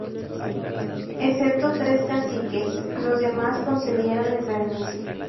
Excepto tres caciques, los demás concedieron el permiso.